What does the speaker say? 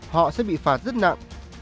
họ sẽ bị phạt rất nặng